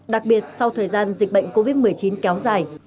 đặc biệt sau thời gian dịch bệnh covid một mươi chín kéo dài